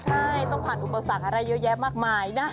ใช่ต้องผ่านอุปสรรคอะไรเยอะแยะมากมายนะ